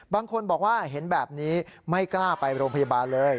บางคนบอกว่าเห็นแบบนี้ไม่กล้าไปโรงพยาบาลเลย